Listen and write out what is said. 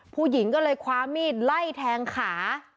ผู้หญิงก็เลยคว้ามีดไล่แทงขา